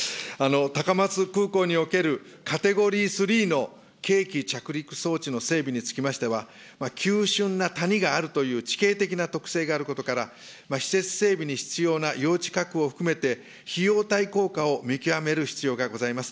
高松空港におけるカテゴリー３の計器着陸装置の整備につきましては、急しゅんな谷があるという地形的な特性があることから、施設整備に必要な用地確保を含めて、費用対効果を見極める必要がございます。